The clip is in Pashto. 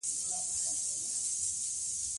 افغانستان د سلیمان غر د ساتنې لپاره قوانین لري.